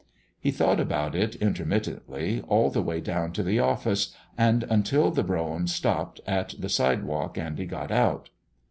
He thought about it intermittently all the way down to the office and until the brougham stopped at the sidewalk and he got out.